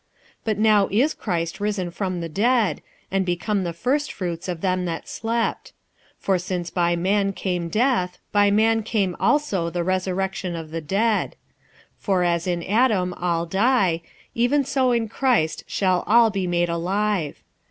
46:015:020 But now is Christ risen from the dead, and become the firstfruits of them that slept. 46:015:021 For since by man came death, by man came also the resurrection of the dead. 46:015:022 For as in Adam all die, even so in Christ shall all be made alive.